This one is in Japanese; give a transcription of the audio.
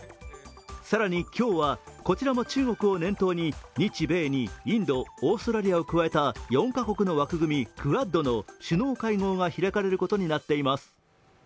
更に、今日はこちらも中国を念頭に日米にインド、オーストラリアを加えた４カ国の枠組みクアッドの首脳会合が開かれることになっています。